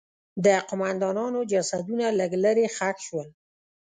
د قوماندانانو جسدونه لږ لرې ښخ شول.